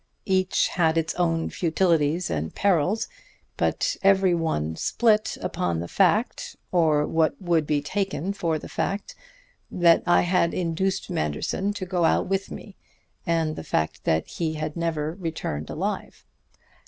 Each had its own futilities and perils; but every one split upon the fact or what would be taken for fact that I had induced Manderson to go out with me, and the fact that he had never returned alive.